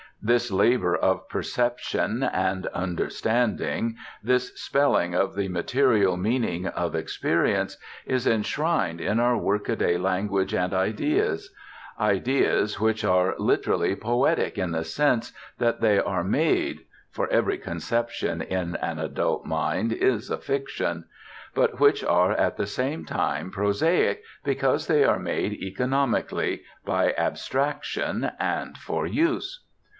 This labor of perception and understanding, this spelling of the material meaning of experience, is enshrined in our workaday language and ideas; ideas which are literally poetic in the sense that they are "made" (for every conception in an adult mind is a fiction), but which are at the same time prosaic because they are made economically, by abstraction, and for use.